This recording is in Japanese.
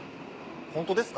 ホントですか？